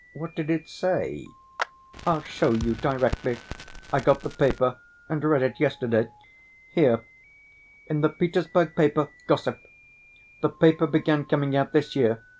What did it say?" "I'll show you directly. I got the paper and read it yesterday. Here, in the Petersburg paper Gossip. The paper began coming out this year.